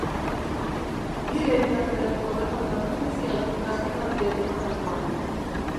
Hire aitak ere horretan jarduten zian kasketaldiak emandakoan!